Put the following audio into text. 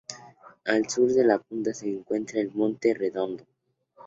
Al sur de la punta se encuentra el monte Redondo.